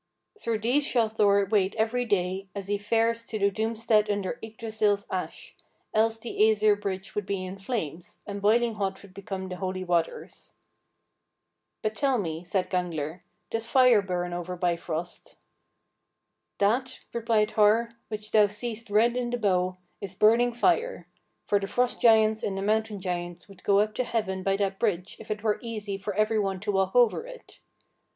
"Through these shall Thor wade every day, as he fares to the doomstead under Yggdrasill's ash, else the Æsir Bridge would be in flames, and boiling hot would become the holy waters." "But tell me," said Gangler, "does fire burn over Bifrost?" "That," replied Har, "which thou seest red in the bow, is burning fire; for the Frost giants and the Mountain giants would go up to heaven by that bridge if it were easy for every one to walk over it.